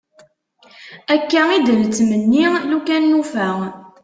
Akka i d-nettmenni lukan nufa.